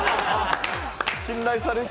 信頼されて。